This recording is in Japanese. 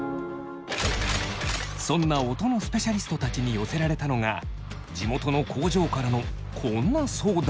そんな音のスペシャリストたちに寄せられたのが地元の工場からのこんな相談。